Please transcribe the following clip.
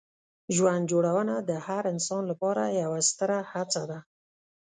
ژوند جوړونه د هر انسان لپاره یوه ستره هڅه ده.